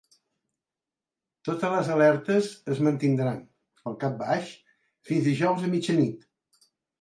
Totes les alertes es mantindran, pel cap baix, fins dijous a mitjanit.